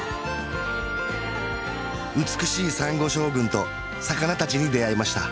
美しいサンゴ礁群と魚達に出会いました